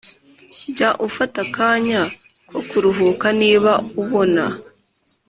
Jya ufata akanya ko kuruhuka Niba ubona